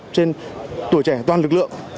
trên tuổi trẻ toàn lực lượng